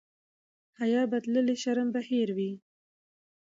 حیا به تللې شرم به هېر وي.